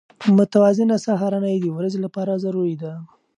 متوازنه سهارنۍ د ورځې لپاره ضروري ده.